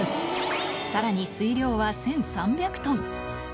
さらに水量は１３００トン。